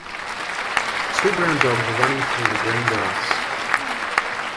Two brown dogs are running through the green grass.